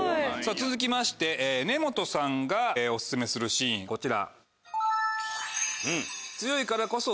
続きまして根本さんがオススメするシーンこちら。